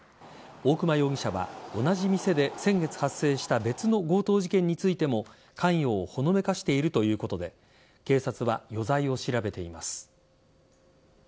大熊容疑者は同じ店で先月発生した別の強盗事件についても関与をほのめかしているということで警察は余罪を調べています。